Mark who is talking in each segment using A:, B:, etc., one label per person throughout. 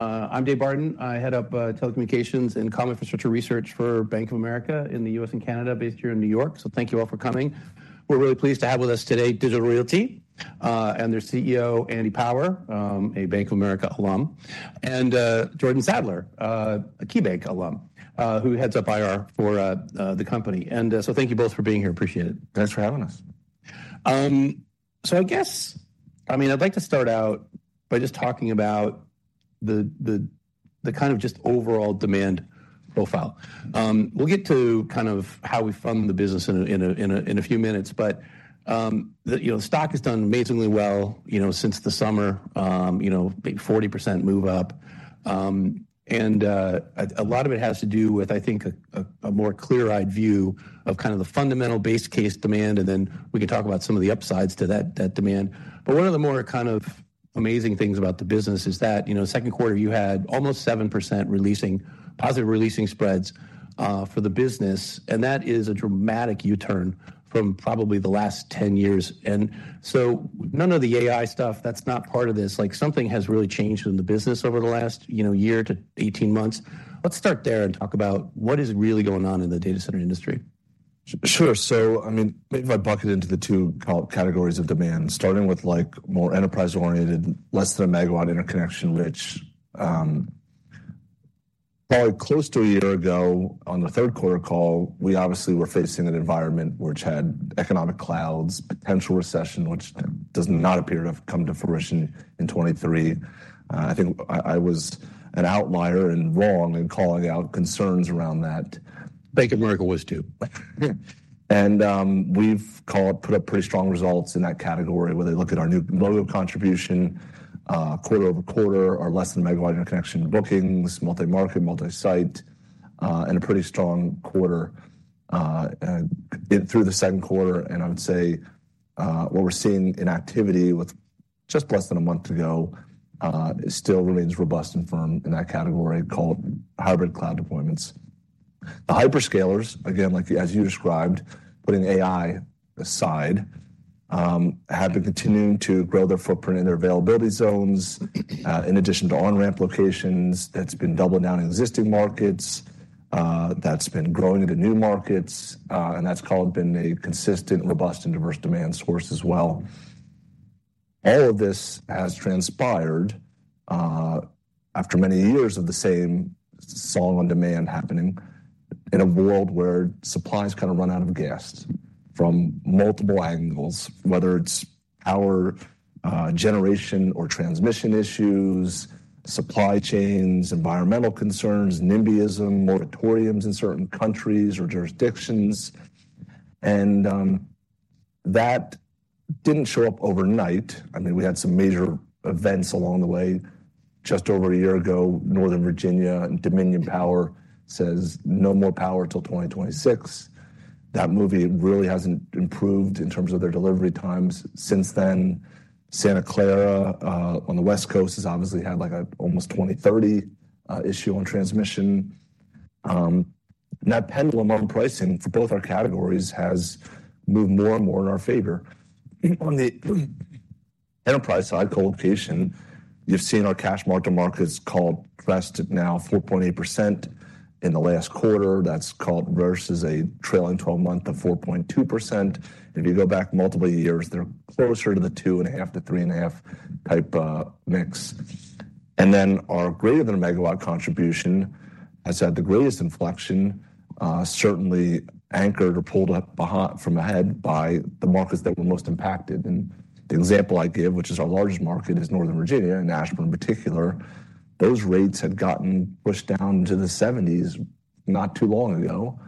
A: I'm Dave Barden. I head up, Telecommunications and Communication Infrastructure Research for Bank of America in the U.S. and Canada, based here in New York. So thank you all for coming. We're really pleased to have with us today, Digital Realty, and their CEO, Andy Power, a Bank of America alumni, and, Jordan Sadler, a KeyBanc alumni, who heads up IR for, the company. And, so thank you both for being here. Appreciate it.
B: Thanks for having us.
A: So I guess, I mean, I'd like to start out by just talking about the kind of just overall demand profile. We'll get to kind of how we fund the business in a few minutes. But, you know, the stock has done amazingly well, you know, since the summer, you know, big 40% move up. And a lot of it has to do with, I think, a more clear-eyed view of kind of the fundamental base case demand, and then we can talk about some of the upsides to that demand. But one of the more kind of amazing things about the business is that, you know, second quarter, you had almost 7% re-leasing positive re-leasing spreads for the business, and that is a dramatic U-turn from probably the last 10 years. And so none of the AI stuff, that's not part of this. Like, something has really changed in the business over the last, you know, year to 18 months. Let's start there and talk about what is really going on in the data center industry.
B: Sure. So I mean, maybe if I bucket into the two categories of demand, starting with like more enterprise-oriented, less than 1 MW interconnection, which, probably close to 1 year ago, on the Q3 call, we obviously were facing an environment which had economic clouds, potential recession, which does not appear to have come to fruition in 2023. I think I was an outlier and wrong in calling out concerns around that.
A: Bank of America was, too.
B: We've put up pretty strong results in that category, whether you look at our new-logo contribution quarter-over-quarter, or less-than-megawatt interconnection bookings, multi-market, multi-site, and a pretty strong quarter into the second quarter. I would say what we're seeing in activity just less than a month ago, it still remains robust and firm in that category called Hybrid Cloud Deployments. The hyperscalers, again, like, as you described, putting AI aside, have been continuing to grow their footprint in their availability zones, in addition to on-ramp locations, that's been doubled down in existing markets, that's been growing into new markets, and that's been a consistent, robust, and diverse demand source as well. All of this has transpired, after many years of the same song on demand happening in a world where supply's kind of run out of gas from multiple angles, whether it's power, generation or transmission issues, supply chains, environmental concerns, NIMBYism, moratoriums in certain countries or jurisdictions, and, that didn't show up overnight. I mean, we had some major events along the way. Just over a year ago, Northern Virginia and Dominion Power says no more power till 2026. That movie really hasn't improved in terms of their delivery times since then. Santa Clara, on the West Coast, has obviously had, like, a almost 2030, issue on transmission. That pendulum on pricing for both our categories has moved more and more in our favor. On the enterprise side, colocation, you've seen our cash margin mark-to-market adjusted now 4.8% in the last quarter. That's colo versus a trailing twelve-month of 4.2%. If you go back multiple years, they're closer to the 2.5%-3.5% type, mix. And then our greater than 1 MW contribution has had the greatest inflection, certainly anchored or pulled up by the markets that were most impacted. And the example I give, which is our largest market, is Northern Virginia and Nashville, in particular. Those rates had gotten pushed down to the $70s not too long ago,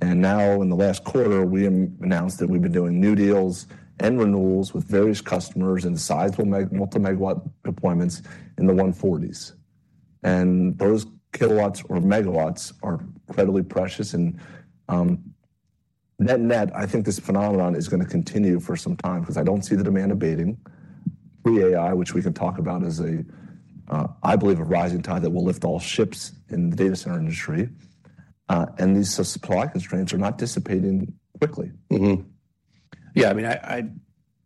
B: and now in the last quarter, we announced that we've been doing new deals and renewals with various customers in sizable multi-megawatt deployments in the $140s. Those kilowatts or megawatts are incredibly precious and, net net, I think this phenomenon is going to continue for some time because I don't see the demand abating. Pre-AI, which we can talk about, is a, I believe, a rising tide that will lift all ships in the data center industry, and these supply constraints are not dissipating quickly.
A: Mm-hmm. Yeah, I mean...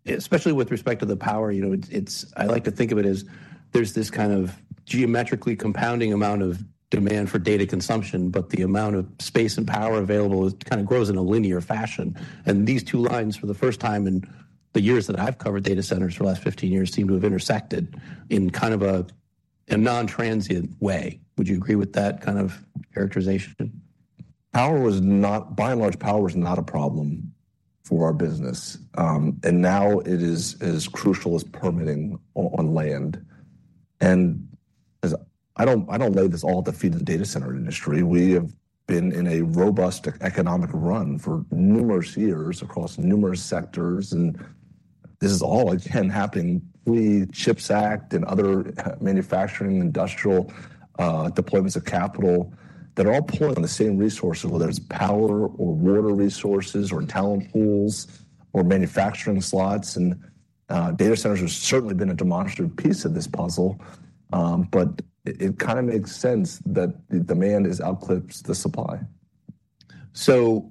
A: Especially with respect to the power, you know, it's. I like to think of it as there's this kind of geometrically compounding amount of demand for data consumption, but the amount of space and power available kind of grows in a linear fashion. And these two lines, for the first time in the years that I've covered data centers for the last 15 years, seem to have intersected in kind of a non-transient way. Would you agree with that kind of characterization?
B: Power was not by and large, power was not a problem for our business. And now it is as crucial as permitting on land. As I don't know this all at the feet of the data center industry. We have been in a robust economic run for numerous years across numerous sectors, and this is all again happening with the CHIPS Act and other manufacturing, industrial deployments of capital that all pull on the same resources, whether it's power or water resources, or talent pools, or manufacturing slots, and data centers have certainly been a demonstrative piece of this puzzle. But it kind of makes sense that the demand has eclipsed the supply. So- ...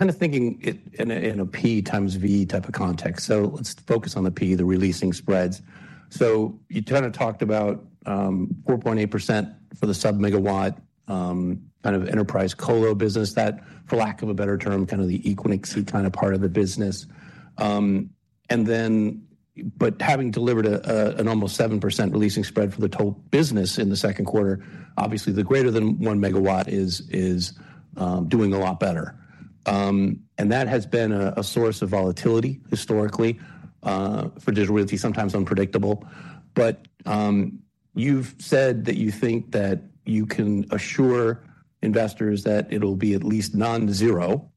A: kind of thinking it in a P times V type of context. So let's focus on the P, the releasing spreads. So you kind of talked about 4.8% for the sub-megawatt kind of enterprise colo business that, for lack of a better term, kind of the Equinix kind of part of the business. And then but having delivered an almost 7% releasing spread for the total business in the Q2, obviously, the greater than 1 MW is doing a lot better. And that has been a source of volatility historically for Digital Realty, sometimes unpredictable. But you've said that you think that you can assure investors that it'll be at least non-zero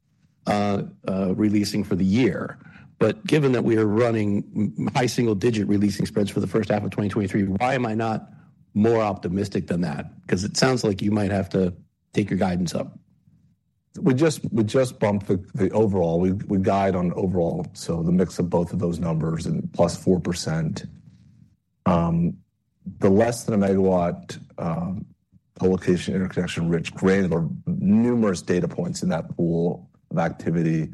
A: releasing for the year. But given that we are running high single digit releasing spreads for the H1 of 2023, why am I not more optimistic than that? Because it sounds like you might have to take your guidance up.
B: We just bumped the overall. We guide on overall, so the mix of both of those numbers and plus 4%. The less than a megawatt colocation, interconnection, rich grade or numerous data points in that pool of activity,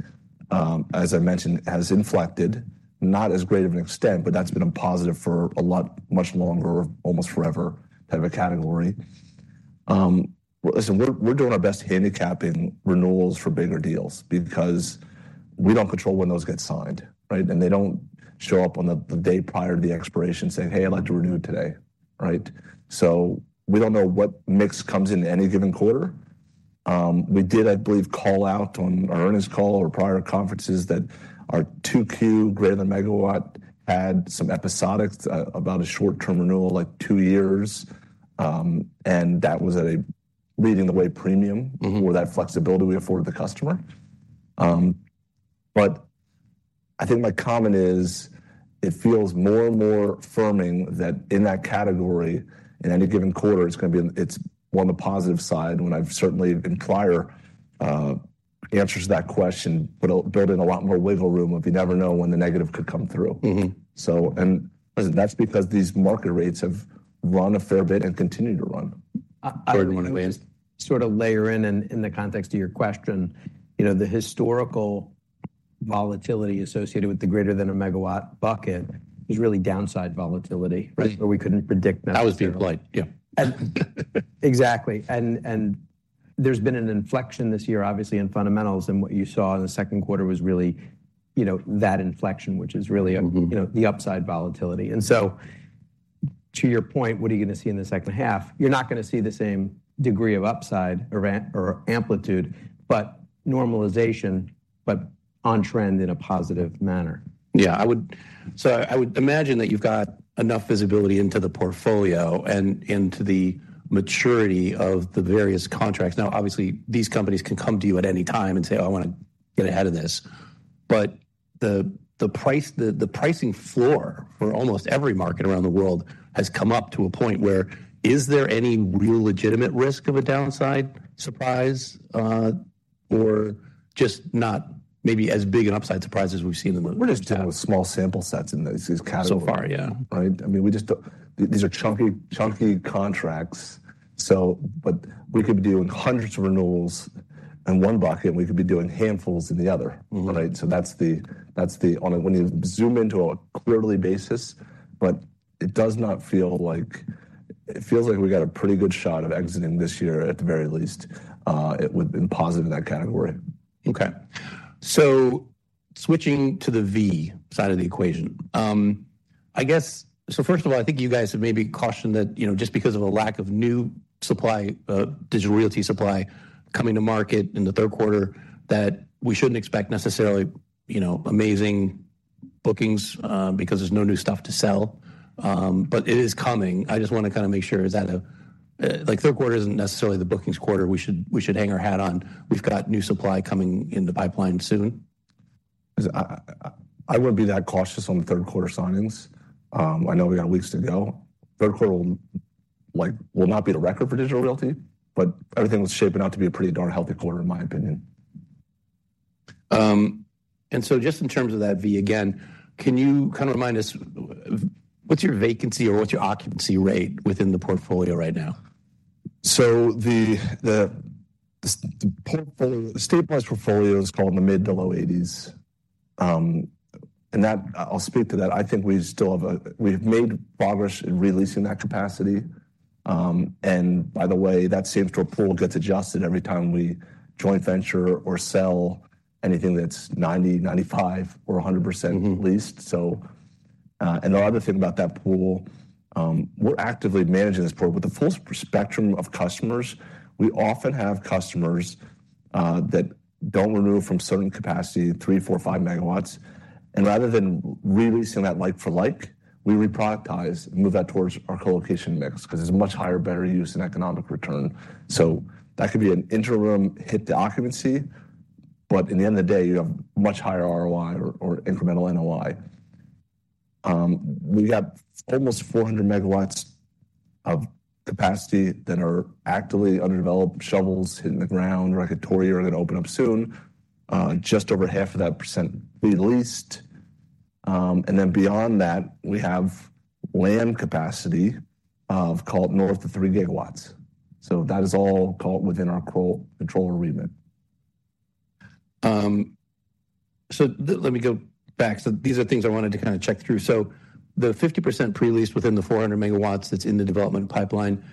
B: as I mentioned, has inflected. Not as great of an extent, but that's been a positive for a lot, much longer, almost forever, type of a category. Listen, we're doing our best handicapping renewals for bigger deals because we don't control when those get signed, right? And they don't show up on the day prior to the expiration saying, "Hey, I'd like to renew today." Right? So we don't know what mix comes in any given quarter. We did, I believe, call out on our earnings call or prior conferences that our Q2, greater than megawatt, had some episodics, about a short-term renewal, like 2 years. That was at a leading the way premium-
A: Mm-hmm...
B: for that flexibility we afforded the customer. But I think my comment is, it feels more and more firming that in that category, in any given quarter, it's gonna be on the positive side, when I've certainly been prior answers to that question. But it'll build in a lot more wiggle room if you never know when the negative could come through.
A: Mm-hmm.
B: That's because these market rates have run a fair bit and continue to run.
A: Go ahead. Sort of layer in and in the context of your question, you know, the historical volatility associated with the greater than a megawatt bucket is really downside volatility.
B: Right.
A: But we couldn't predict that.
B: I was being polite. Yeah.
A: Exactly. And, and there's been an inflection this year, obviously, in fundamentals, and what you saw in the Q2 was really, you know, that inflection, which is really-
B: Mm-hmm...
A: you know, the upside volatility. So to your point, what are you going to see in the H2? You're not going to see the same degree of upside or amplitude, but normalization, but on trend in a positive manner. Yeah. So I would imagine that you've got enough visibility into the portfolio and into the maturity of the various contracts. Now, obviously, these companies can come to you at any time and say, "I want to get ahead of this." But the pricing floor for almost every market around the world has come up to a point where, is there any real legitimate risk of a downside surprise, or just not maybe as big an upside surprise as we've seen in the past?
B: We're just dealing with small sample sets in this category.
A: So far, yeah.
B: Right? I mean, we just don't... These are chunky, chunky contracts, so but we could be doing hundreds of renewals in one bucket, and we could be doing handfuls in the other.
A: Mm-hmm.
B: Right? So that's the, that's the only when you zoom in to a quarterly basis, but it does not feel like... It feels like we got a pretty good shot of exiting this year, at the very least, it would've been positive in that category.
A: Okay. So switching to the V side of the equation, I guess. So first of all, I think you guys have maybe cautioned that, you know, just because of a lack of new supply, Digital Realty supply coming to market in the third quarter, that we shouldn't expect necessarily, you know, amazing bookings, because there's no new stuff to sell. But it is coming. I just want to kind of make sure, is that a, like, third quarter isn't necessarily the bookings quarter we should, we should hang our hat on. We've got new supply coming in the pipeline soon.
B: I wouldn't be that cautious on the third quarter signings. I know we got weeks to go. Third quarter, like, will not be the record for Digital Realty, but everything was shaping out to be a pretty darn healthy quarter, in my opinion.
A: And so just in terms of that V, again, can you kind of remind us, what's your vacancy or what's your occupancy rate within the portfolio right now?
B: So the portfolio, the stabilized portfolio is called the mid- to low 80s. And that, I'll speak to that. I think we've made progress in releasing that capacity. And by the way, that same draw pool gets adjusted every time we joint venture or sell anything that's 90, 95, or 100%-
A: Mm-hmm...
B: leased. So, and the other thing about that pool, we're actively managing this pool with a full spectrum of customers. We often have customers that don't renew from certain capacity, 3 MW-5 MW. And rather than releasing that like for like, we re-productize and move that towards our colocation mix, because it's a much higher, better use and economic return. So that could be an interim hit to occupancy, but in the end of the day, you have much higher ROI or incremental NOI. We've got almost 400 MW of capacity that are actively underdeveloped, shovels hitting the ground, record or are going to open up soon. Just over half of that percent will be leased.... And then beyond that, we have land capacity of, call it, north of 3 GW. That is all, call it, within our control agreement.
A: Let me go back. So these are things I wanted to kind of check through. So the 50% pre-leased within the 400 MW that's in the development pipeline,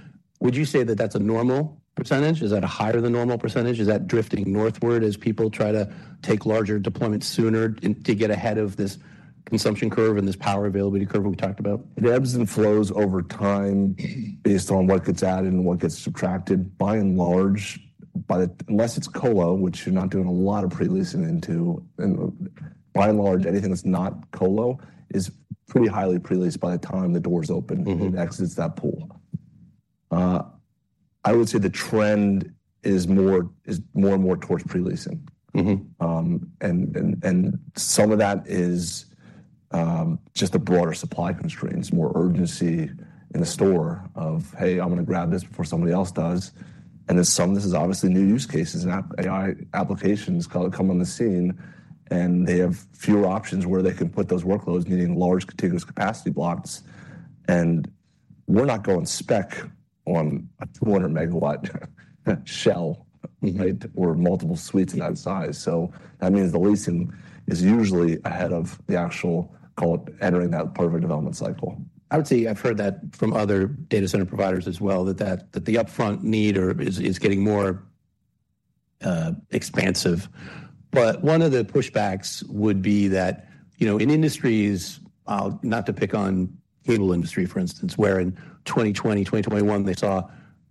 A: would you say that that's a normal percentage? Is that a higher than normal percentage? Is that drifting northward as people try to take larger deployments sooner and to get ahead of this consumption curve and this power availability curve we talked about?
B: It ebbs and flows over time based on what gets added and what gets subtracted. By and large, but unless it's colo, which you're not doing a lot of pre-leasing into, and by and large, anything that's not colo is pretty highly pre-leased by the time the doors open-
A: Mm-hmm...
B: and exits that pool. I would say the trend is more and more towards pre-leasing.
A: Mm-hmm.
B: And some of that is just the broader supply constraints, more urgency in the storm of, "Hey, I'm going to grab this before somebody else does." And then some of this is obviously new use cases, and AI applications come on the scene, and they have fewer options where they can put those workloads, needing large, contiguous capacity blocks. And we're not going spec on a 200 MW shell, right, or multiple suites in that size. So that means the leasing is usually ahead of the actual, call it, entering that part of a development cycle.
A: I would say I've heard that from other data center providers as well, that the upfront need or is getting more expansive. But one of the pushbacks would be that, you know, in industries, not to pick on Google industry, for instance, where in 2020, 2021, they saw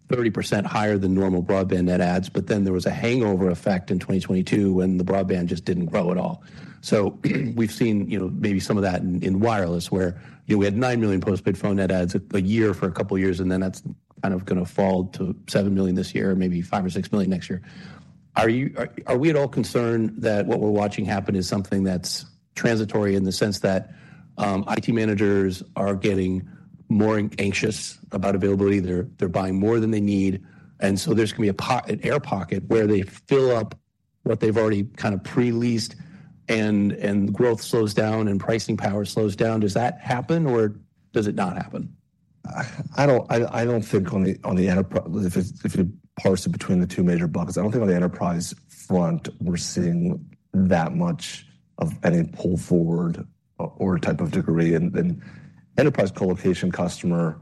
A: 30% higher than normal broadband net adds, but then there was a hangover effect in 2022, and the broadband just didn't grow at all. So we've seen, you know, maybe some of that in wireless, where, you know, we had 9 million postpaid phone net adds a year for a couple of years, and then that's kind of gonna fall to 7 million this year, maybe 5 million or 6 million next year. Are we at all concerned that what we're watching happen is something that's transitory in the sense that IT managers are getting more anxious about availability, they're buying more than they need, and so there's going to be an air pocket where they fill up what they've already kind of pre-leased and growth slows down and pricing power slows down. Does that happen, or does it not happen?
B: I don't think on the enterprise front, if you parse it between the two major buckets, I don't think on the enterprise front, we're seeing that much of any pull forward or type of degree. And then enterprise colocation customer,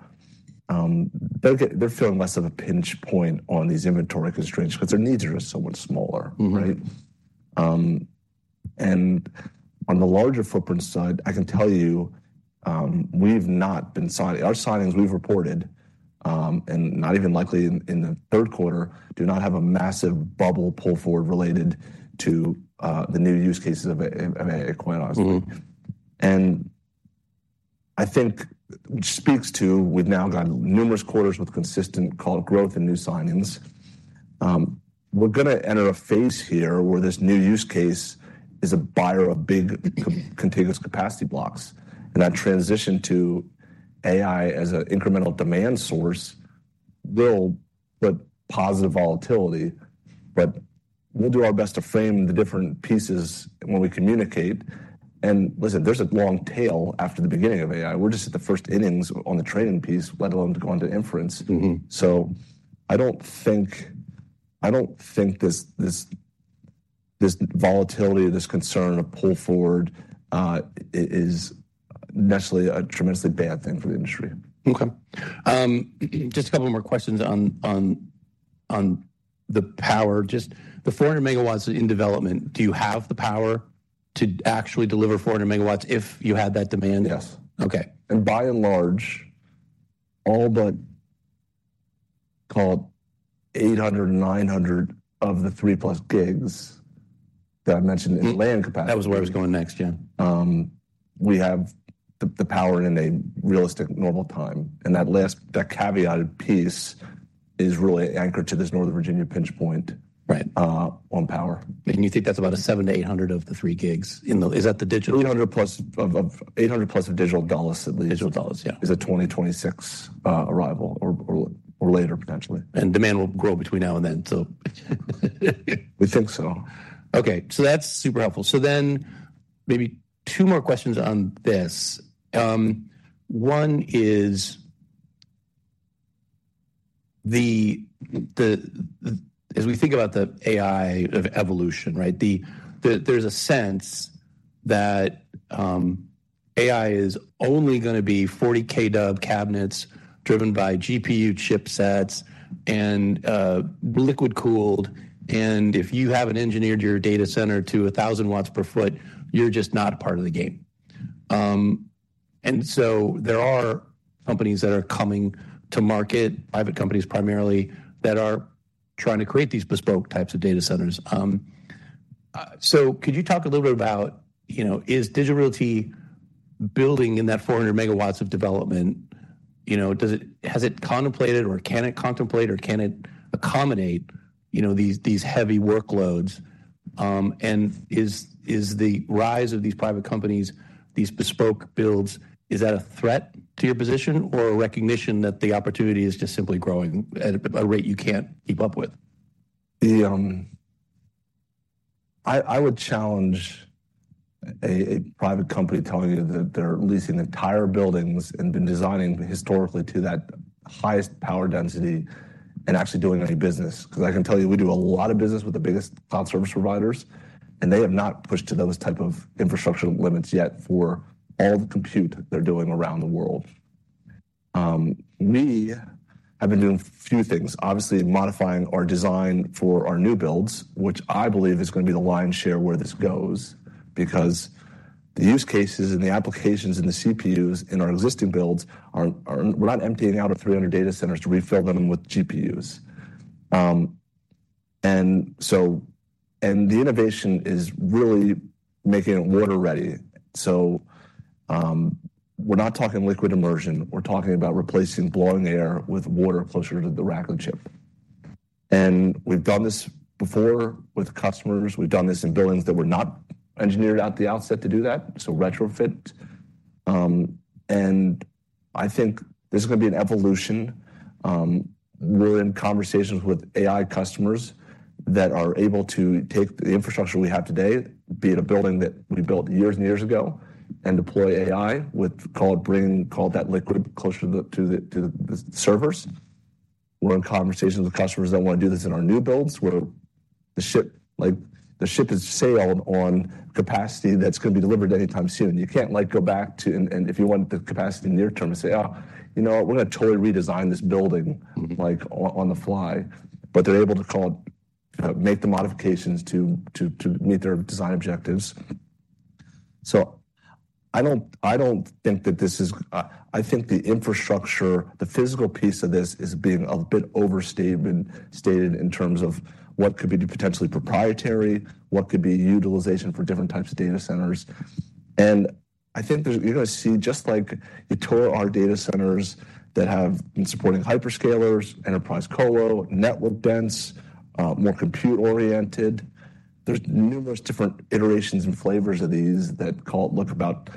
B: they're feeling less of a pinch point on these inventory constraints because their needs are so much smaller.
A: Mm-hmm.
B: Right? And on the larger footprint side, I can tell you, we've not been signing. Our signings, we've reported, and not even likely in the third quarter, do not have a massive bubble pull forward related to the new use cases of AI, quite honestly.
A: Mm-hmm.
B: And I think which speaks to we've now gotten numerous quarters with consistent call it growth in new signings. We're gonna enter a phase here where this new use case is a buyer of big, contiguous capacity blocks, and that transition to AI as an incremental demand source will put positive volatility. But we'll do our best to frame the different pieces when we communicate. And listen, there's a long tail after the beginning of AI. We're just at the first innings on the training piece, let alone to go on to inference.
A: Mm-hmm.
B: I don't think this volatility or this concern of pull forward is necessarily a tremendously bad thing for the industry.
A: Okay. Just a couple more questions on the power. Just the 400 MW in development, do you have the power to actually deliver 400 MW if you had that demand?
B: Yes.
A: Okay.
B: By and large, all but call it 800, 900 of the 3+ gigs that I mentioned in land capacity-
A: That was where I was going next, yeah.
B: We have the power in a realistic, normal time, and that last caveated piece is really anchored to this Northern Virginia pinch point-
A: Right...
B: on power.
A: You think that's about 700-800 of the 3 gigs in the... Is that the Digital?
B: 800+ of Digital Dulles, at least.
A: Digital Dulles, yeah.
B: Is a 2026 arrival or later, potentially?
A: Demand will grow between now and then, so
B: We think so.
A: Okay, so that's super helpful. So then maybe two more questions on this. One is, as we think about the AI of evolution, right? There's a sense that AI is only gonna be 40 kW cabinets driven by GPU chipsets and liquid-cooled, and if you haven't engineered your data center to 1,000 watts per foot, you're just not a part of the game. And so there are companies that are coming to market, private companies primarily, that are trying to create these bespoke types of data centers. So could you talk a little bit about, you know, is Digital Realty building in that 400 megawatts of development? You know, does it-- has it contemplated or can it contemplate or can it accommodate, you know, these heavy workloads? And is the rise of these private companies, these bespoke builds, is that a threat to your position or a recognition that the opportunity is just simply growing at a rate you can't keep up with?...
B: The, I would challenge a private company telling you that they're leasing entire buildings and been designing historically to that highest power density and actually doing any business. Because I can tell you, we do a lot of business with the biggest cloud service providers, and they have not pushed to those type of infrastructure limits yet for all the compute they're doing around the world. Me, I've been doing a few things. Obviously, modifying our design for our new builds, which I believe is gonna be the lion's share where this goes, because the use cases and the applications and the CPUs in our existing builds are we're not emptying out our 300 data centers to refill them with GPUs. And the innovation is really making it water-ready. So, we're not talking liquid immersion, we're talking about replacing blowing air with water closer to the rack and chip. We've done this before with customers. We've done this in buildings that were not engineered at the outset to do that, so retrofit. I think this is gonna be an evolution. We're in conversations with AI customers that are able to take the infrastructure we have today, be it a building that we built years and years ago, and deploy AI with call it, bringing, call it, that liquid closer to the, to the, to the servers. We're in conversations with customers that want to do this in our new builds, where the ship—like, the ship has sailed on capacity that's gonna be delivered anytime soon. You can't, like, go back to... If you want the capacity near term and say, "Ah, you know what? We're gonna totally redesign this building,"-
A: Mm-hmm
B: like, on the fly. But they're able to call it, make the modifications to meet their design objectives. So I don't think that this is. I think the infrastructure, the physical piece of this is being a bit overstated in terms of what could be potentially proprietary, what could be utilization for different types of data centers. And I think there's you're gonna see just like you tour our data centers that have been supporting hyperscalers, enterprise colo, network dense, more compute-oriented. There's numerous different iterations and flavors of these that call it, look about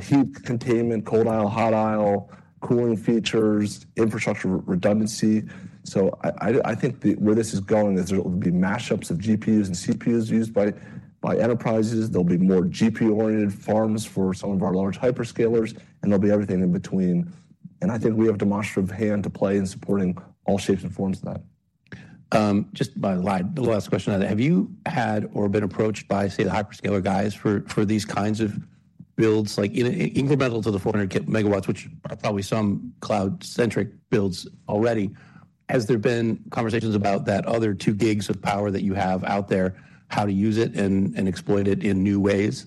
B: heat containment, cold aisle, hot aisle, cooling features, infrastructure redundancy. So I think the where this is going is there will be mashups of GPUs and CPUs used by enterprises. There'll be more GPU-oriented firms for some of our large hyperscalers, and there'll be everything in between. And I think we have a demonstrative hand to play in supporting all shapes and forms of that.
A: Just by line, the last question. Have you had or been approached by, say, the hyperscaler guys for, for these kinds of builds? Like, in, in incremental to the 400 MW, which are probably some cloud-centric builds already. Has there been conversations about that other 2 GW of power that you have out there, how to use it and, and exploit it in new ways?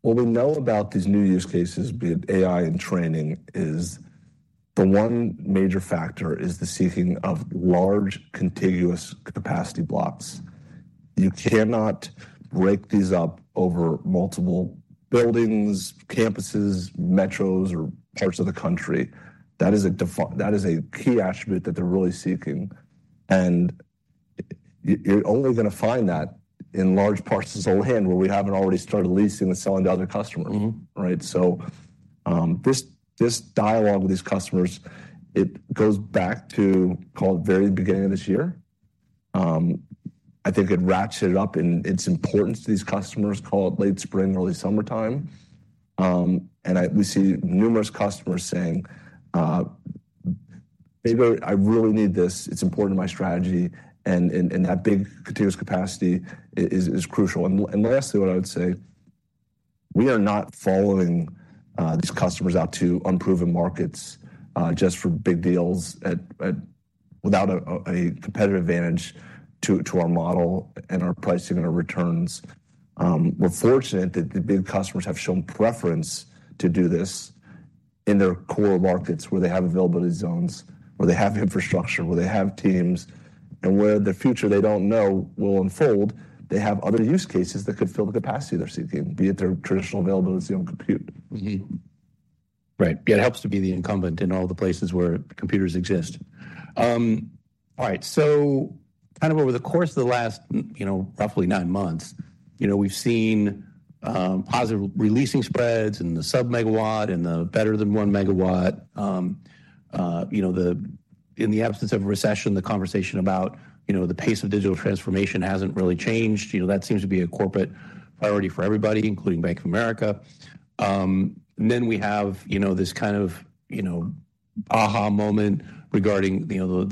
B: What we know about these new use cases, be it AI and training, is the one major factor is the seeking of large, contiguous capacity blocks. You cannot break these up over multiple buildings, campuses, metros, or parts of the country. That is a key attribute that they're really seeking, and you're only gonna find that in large parts of this whole hand, where we haven't already started leasing and selling to other customers.
A: Mm-hmm.
B: Right? So, this dialogue with these customers, it goes back to, call it, very beginning of this year. I think it ratcheted up in its importance to these customers, call it, late spring, early summertime. And we see numerous customers saying, "Maybe I really need this. It's important to my strategy, and that big contiguous capacity is crucial." And lastly, what I would say, we are not following these customers out to unproven markets just for big deals without a competitive advantage to our model and our pricing and our returns. We're fortunate that the big customers have shown preference to do this in their core markets, where they have Availability Zones, where they have infrastructure, where they have teams, and where the future they don't know will unfold. They have other use cases that could fill the capacity they're seeking, be it their traditional Availability Zone Compute.
A: Mm-hmm. Right. It helps to be the incumbent in all the places where computers exist. All right, so kind of over the course of the last, you know, roughly nine months, you know, we've seen positive releasing spreads and the sub-megawatt and the better than one megawatt. In the absence of a recession, the conversation about, you know, the pace of digital transformation hasn't really changed. You know, that seems to be a corporate priority for everybody, including Bank of America. Then we have, you know, this kind of, you know, aha moment regarding, you know,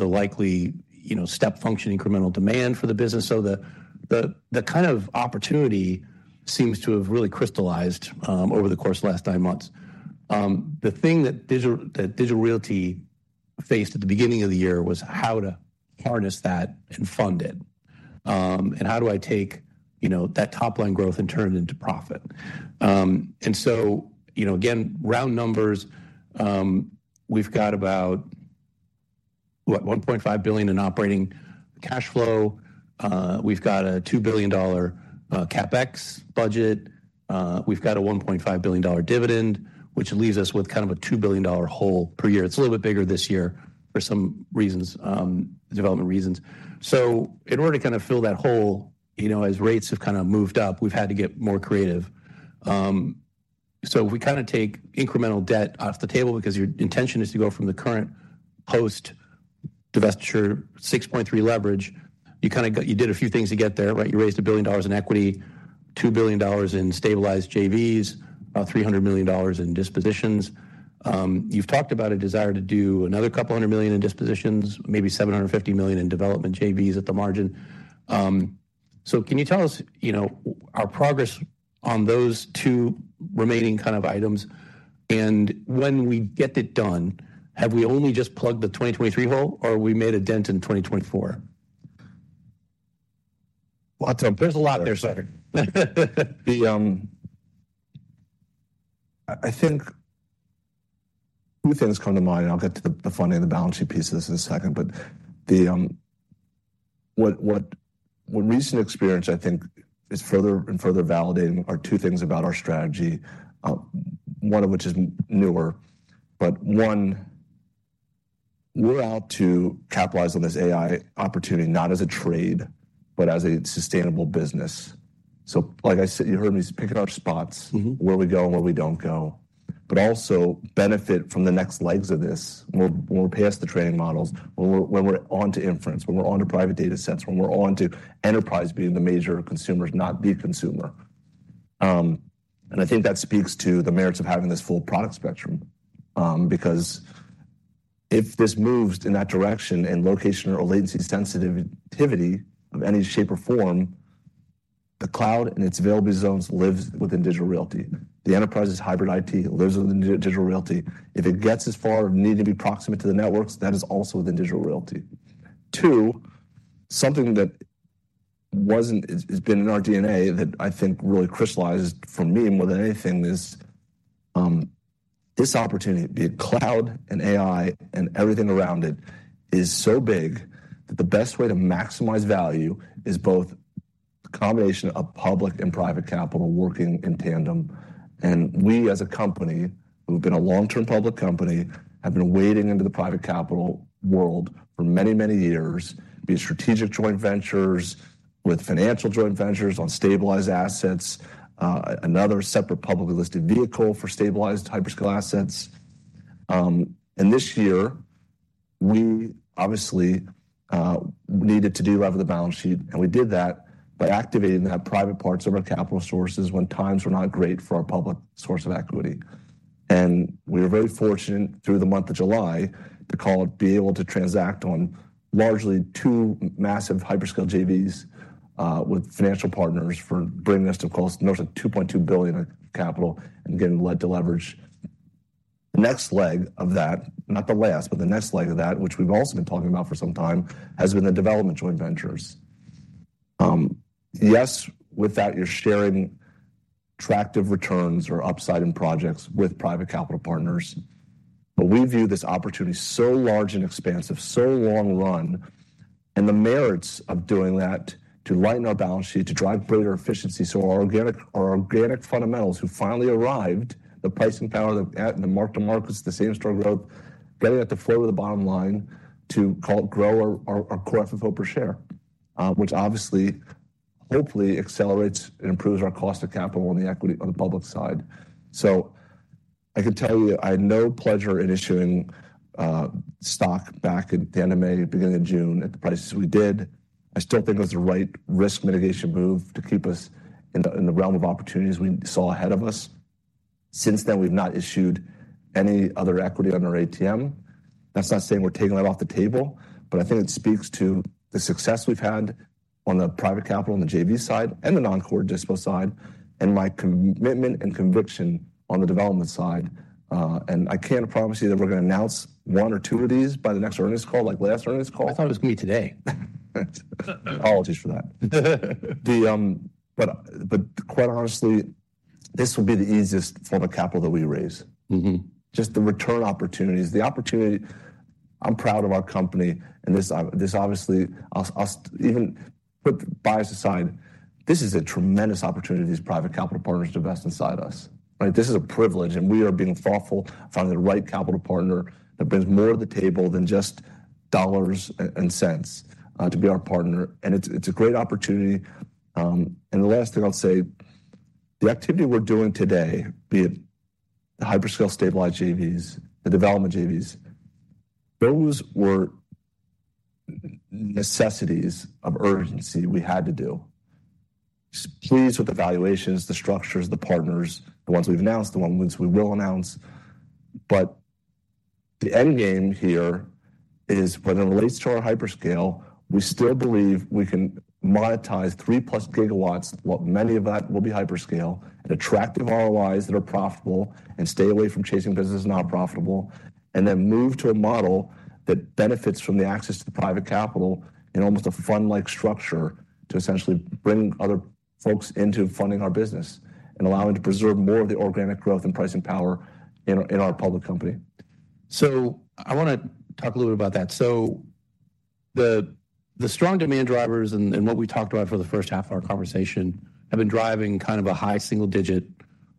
A: the kind of opportunity seems to have really crystallized over the course of the last nine months. The thing that Digital Realty faced at the beginning of the year was how to harness that and fund it. And how do I take, you know, that top-line growth and turn it into profit? And so, you know, again, round numbers, we've got about, what? $1.5 billion in operating cash flow. We've got a $2 billion CapEx budget. We've got a $1.5 billion dividend, which leaves us with kind of a $2 billion hole per year. It's a little bit bigger this year for some reasons, development reasons. So in order to kind of fill that hole, you know, as rates have kind of moved up, we've had to get more creative. So if we kind of take incremental debt off the table, because your intention is to go from the current post-divestiture 6.3 leverage, you kind of did a few things to get there, right? You raised $1 billion in equity, $2 billion in stabilized JVs, about $300 million in dispositions. You've talked about a desire to do another couple hundred million in dispositions, maybe $750 million in development JVs at the margin. So can you tell us, you know, our progress on those two remaining kind of items? And when we get it done, have we only just plugged the 2023 hole, or we made a dent in 2024?
B: Well, there's a lot there, sorry. The—I think two things come to mind, and I'll get to the funding and the balancing piece of this in a second. But the, what recent experience, I think, is further and further validating are two things about our strategy, one of which is m- newer. But one, we're out to capitalize on this AI opportunity, not as a trade, but as a sustainable business. So like I said, you heard me picking out spots-
A: Mm-hmm.
B: -where we go and where we don't go, but also benefit from the next legs of this, when we're past the training models, when we're on to inference, when we're on to private data sets, when we're on to enterprise being the major consumers, not the consumer. And I think that speaks to the merits of having this full product spectrum, because if this moves in that direction in location or latency sensitivity of any shape or form, the cloud and its availability zones lives within Digital Realty. The enterprise's hybrid IT lives within Digital Realty. If it gets as far as needing to be proximate to the networks, that is also within Digital Realty. Two, something that wasn't. It's been in our DNA, that I think really crystallized for me more than anything, is this opportunity, be it cloud and AI and everything around it, is so big that the best way to maximize value is both a combination of public and private capital working in tandem. And we, as a company, who've been a long-term public company, have been wading into the private capital world for many, many years, be it strategic joint ventures with financial joint ventures on stabilized assets, another separate publicly listed vehicle for stabilized hyperscale assets. And this year, we obviously needed to delever the balance sheet, and we did that by activating the private parts of our capital sources when times were not great for our public source of equity. We were very fortunate through the month of July, to call it, be able to transact on largely 2 massive hyperscale JVs with financial partners for bringing us to, of course, nearly $2.2 billion of capital and getting led to leverage. The next leg of that, not the last, but the next leg of that, which we've also been talking about for some time, has been the development joint ventures. Yes, with that, you're sharing attractive returns or upside in projects with private capital partners, but we view this opportunity so large and expansive, so long run, and the merits of doing that to lighten our balance sheet, to drive greater efficiency. So our organic fundamentals, we've finally arrived, the pricing power, the at, and the mark-to-markets, the same-store growth, getting that to flow to the bottom line, to call it grow our core FFO per share, which obviously, hopefully accelerates and improves our cost of capital on the equity on the public side. So I can tell you, I had no pleasure in issuing stock back at the end of May, beginning of June, at the prices we did. I still think it was the right risk mitigation move to keep us in the realm of opportunities we saw ahead of us. Since then, we've not issued any other equity on our ATM. That's not saying we're taking that off the table, but I think it speaks to the success we've had on the private capital, on the JV side, and the non-core dispo side, and my commitment and conviction on the development side. I can't promise you that we're going to announce one or two of these by the next earnings call, like last earnings call.
A: I thought it was going to be today.
B: Apologies for that. But quite honestly, this would be the easiest form of capital that we raise.
A: Mm-hmm.
B: Just the return opportunities, the opportunity, I'm proud of our company, and this obviously, even put bias aside, this is a tremendous opportunity for these private capital partners to invest inside us. Right? This is a privilege, and we are being thoughtful, finding the right capital partner that brings more to the table than just dollars and cents to be our partner, and it's a great opportunity. And the last thing I'll say, the activity we're doing today, be it the hyperscale stabilized JVs, the development JVs, those were necessities of urgency we had to do. Pleased with the valuations, the structures, the partners, the ones we've announced, the ones we will announce. But the end game here is, whether it relates to our hyperscale, we still believe we can monetize 3+ gigawatts, what many of that will be hyperscale, and attractive ROIs that are profitable, and stay away from chasing business that's not profitable, and then move to a model that benefits from the access to the private capital in almost a fund-like structure, to essentially bring other folks into funding our business and allowing to preserve more of the organic growth and pricing power in our, in our public company.
A: So I want to talk a little bit about that. So the strong demand drivers and what we talked about for the first half of our conversation have been driving kind of a high single-digit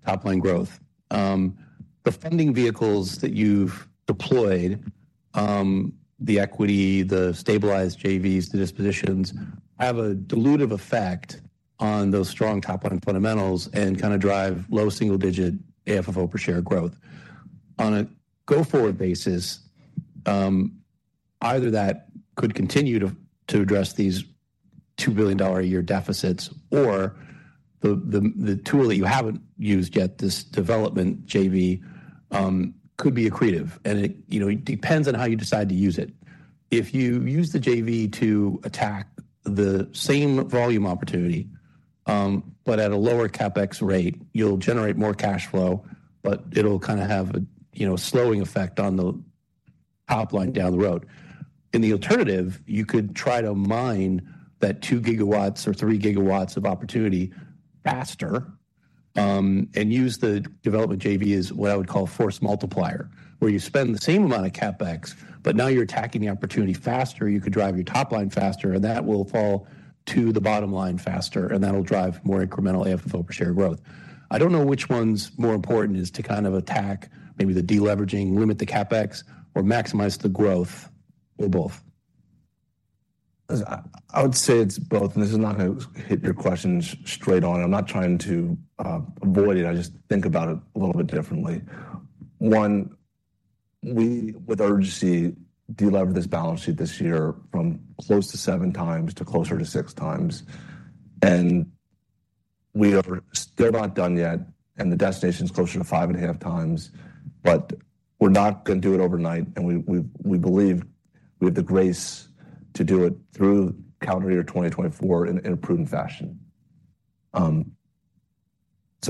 A: top-line growth. The funding vehicles that you've deployed, the equity, the stabilized JVs, the dispositions, have a dilutive effect on those strong top-line fundamentals and kind of drive low single-digit AFFO per share growth. On a go-forward basis, either that could continue to address these $2 billion a year deficits, or the tool that you haven't used yet, this development JV, could be accretive. And it, you know, it depends on how you decide to use it. If you use the JV to attack the same volume opportunity, but at a lower CapEx rate, you'll generate more cash flow, but it'll kind of have a, you know, slowing effect on the top line down the road. In the alternative, you could try to mine that 2 GW or 3 GW of opportunity faster, and use the development JV as what I would call force-multiplier, where you spend the same amount of CapEx, but now you're attacking the opportunity faster. You could drive your top line faster, and that will fall to the bottom line faster, and that'll drive more incremental AFFO per share growth. I don't know which one's more important, is to kind of attack maybe the deleveraging, limit the CapEx, or maximize the growth, or both.
B: I would say it's both, and this is not going to hit your questions straight on. I'm not trying to avoid it. I just think about it a little bit differently. One, we, with urgency, delevered this balance sheet this year from close to 7x to closer to 6x, and we are still not done yet, and the destination is closer to 5.5x, but we're not going to do it overnight, and we believe we have the grace to do it through calendar year 2024 in a prudent fashion. So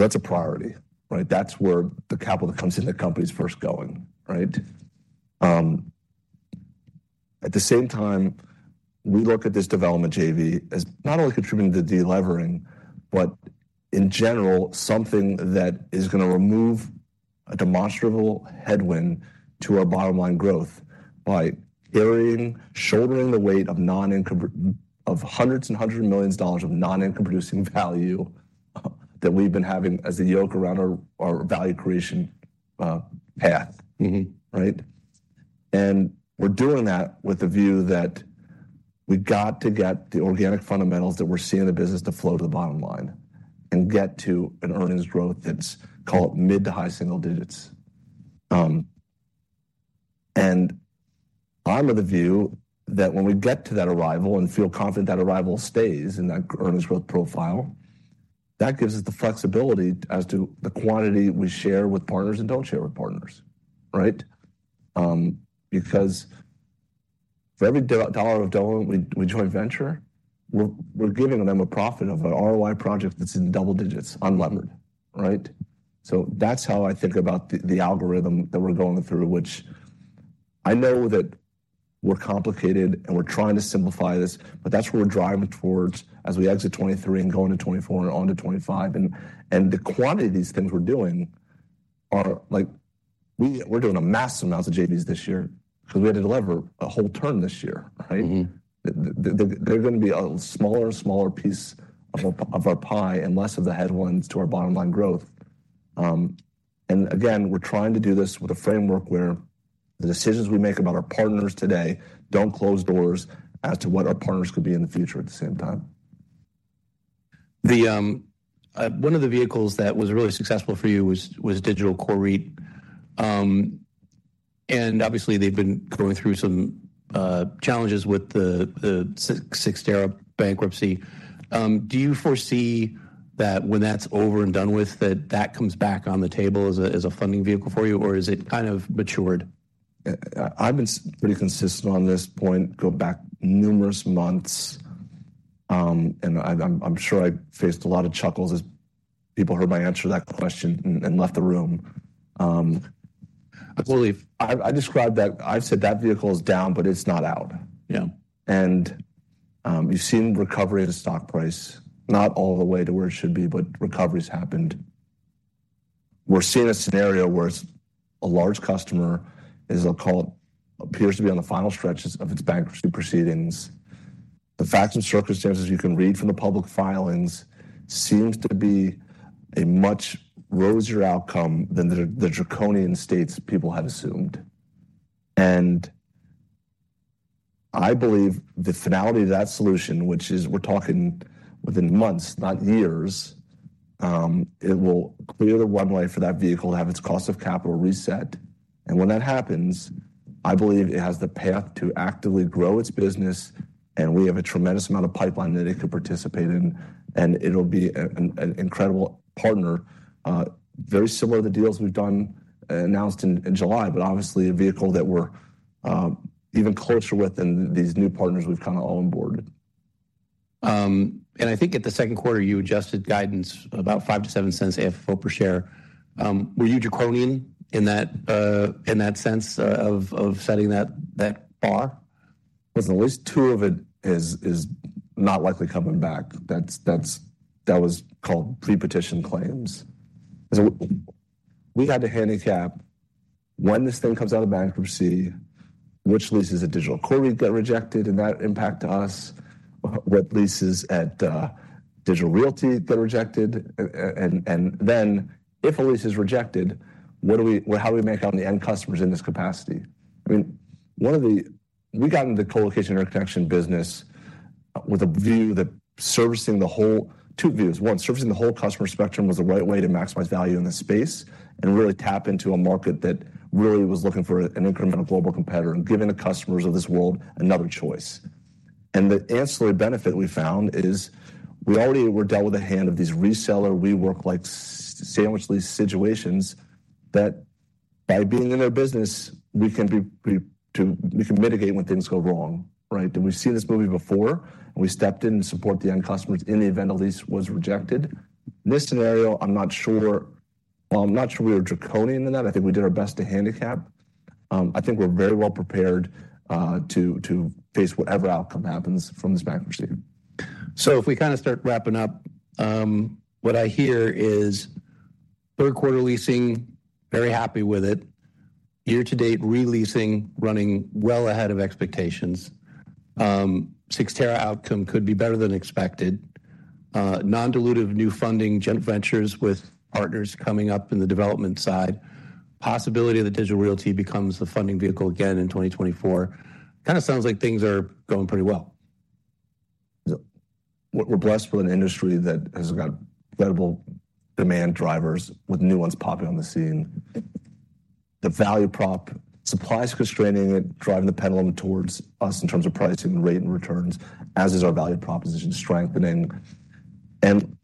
B: that's a priority, right? That's where the capital that comes into the company is first going, right? At the same time, we look at this development JV as not only contributing to the delevering, but in general, something that is gonna remove a demonstrable headwind to our bottom line growth by airing, shouldering the weight of non-income-- of hundreds and hundreds of millions of dollars of non-income producing value, that we've been having as a yoke around our, our value creation, path.
A: Mm-hmm.
B: Right? And we're doing that with the view that we've got to get the organic fundamentals that we're seeing in the business to flow to the bottom line, and get to an earnings growth that's, call it, mid to high single digits. And I'm of the view that when we get to that arrival and feel confident that arrival stays in that earnings growth profile, that gives us the flexibility as to the quantity we share with partners and don't share with partners, right? Because for every dollar we joint venture, we're giving them a profit of an ROI project that's in double digits unlevered, right? So that's how I think about the algorithm that we're going through, which I know that we're complicated, and we're trying to simplify this, but that's what we're driving towards as we exit 2023 and go into 2024 and on to 2025. And the quantity of these things we're doing are—like, we're doing a massive amounts of JVs this year because we had to delever a whole turn this year, right?
A: Mm-hmm.
B: They're gonna be a smaller and smaller piece of our, of our pie and less of the headwinds to our bottom line growth. And again, we're trying to do this with a framework where the decisions we make about our partners today don't close doors as to what our partners could be in the future at the same time.
A: The one of the vehicles that was really successful for you was Digital Core REIT. Obviously, they've been going through some challenges with the Cyxtera bankruptcy. Do you foresee that when that's over and done with, that that comes back on the table as a funding vehicle for you, or is it kind of matured?
B: I've been pretty consistent on this point, go back numerous months, and I'm sure I faced a lot of chuckles as people heard my answer to that question and left the room.
A: Absolutely.
B: I described that... I've said that vehicle is down, but it's not out.
A: Yeah.
B: You've seen recovery of the stock price, not all the way to where it should be, but recovery's happened. We're seeing a scenario where it's a large customer, as I'll call it, appears to be on the final stretches of its bankruptcy proceedings. The facts and circumstances you can read from the public filings seems to be a much rosier outcome than the draconian states people had assumed. I believe the finality of that solution, which is we're talking within months, not years, it will clear the runway for that vehicle to have its cost of capital reset. And when that happens, I believe it has the path to actively grow its business, and we have a tremendous amount of pipeline that it could participate in, and it'll be an incredible partner. Very similar to the deals we've done, announced in July, but obviously a vehicle that we're even closer with than these new partners we've kind of onboarded.
A: I think at the Q2, you adjusted guidance about $0.05-$0.07 AFFO per share. Were you draconian in that sense of setting that bar?
B: Well, at least two of it is not likely coming back. That's-- that was called pre-petition claims. So we had to handicap when this thing comes out of bankruptcy, which leases of Digital Core REIT get rejected, and that impact us? What leases at Digital Realty that are rejected? And then if a lease is rejected, what do we-- well, how do we make out on the end customers in this capacity? I mean, one of the-- we got into the colocation interconnection business with a view that servicing the whole-- two views. One, servicing the whole customer spectrum was the right way to maximize value in this space and really tap into a market that really was looking for an incremental global competitor and giving the customers of this world another choice. And the ancillary benefit we found is we already were dealt with a hand of these reseller rework, like, sandwich lease situations, that by being in their business, we can mitigate when things go wrong, right? And we've seen this movie before, and we stepped in to support the end customers in the event a lease was rejected. This scenario, I'm not sure. Well, I'm not sure we were draconian in that. I think we did our best to handicap. I think we're very well prepared to face whatever outcome happens from this bankruptcy.
A: So if we kinda start wrapping up, what I hear is Q3 leasing, very happy with it. Year to date, re-leasing, running well ahead of expectations. Cyxtera outcome could be better than expected. Non-dilutive new funding, joint ventures with partners coming up in the development side. Possibility that Digital Realty becomes the funding vehicle again in 2024. Kinda sounds like things are going pretty well.
B: We're blessed with an industry that has got incredible demand drivers with new ones popping on the scene. The value prop, supply is constraining and driving the pendulum towards us in terms of pricing, rate, and returns, as is our value proposition strengthening. And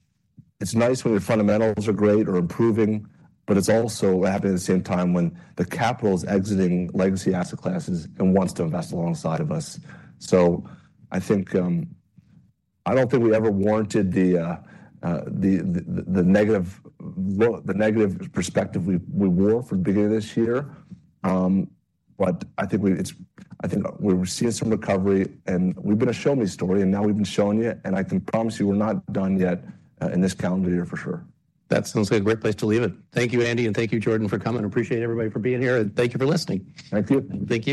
B: it's nice when the fundamentals are great or improving, but it's also happening at the same time when the capital is exiting legacy asset classes and wants to invest alongside of us. So I think I don't think we ever warranted the negative lo- the negative perspective we wore from the beginning of this year. But I think we're seeing some recovery, and we've been a show me story, and now we've been showing you, and I can promise you we're not done yet in this calendar year, for sure.
A: That sounds like a great place to leave it. Thank you, Andy, and thank you, Jordan, for coming. I appreciate everybody for being here, and thank you for listening.
B: Thank you.
A: Thank you.